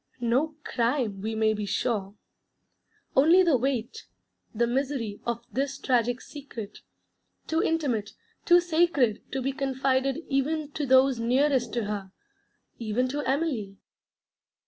No crime, we may be sure. Only the weight, the misery of this tragic 'Secret'; too intimate, too sacred to be confided even to those nearest to her, even to Emily.